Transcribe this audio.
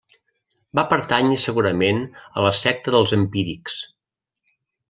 Va pertànyer segurament a la secta dels empírics.